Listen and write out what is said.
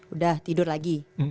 udah tidur lagi